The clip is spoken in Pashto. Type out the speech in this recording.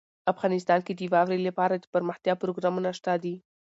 افغانستان کې د واورې لپاره دپرمختیا پروګرامونه شته دي.